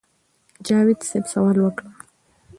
جاوېد صېب سوال وکړۀ